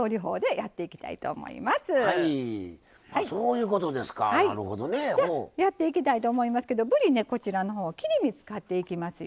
やっていきたいと思いますけどぶりねこちらのほう切り身使っていきますよ。